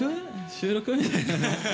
収録？みたいな。